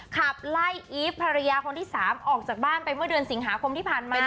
ขับไล่อีฟภรรยาคนที่๓ออกจากบ้านไปเมื่อเดือนสิงหาคมที่ผ่านมา